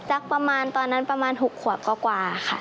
ประมาณตอนนั้นประมาณ๖ขวบกว่าค่ะ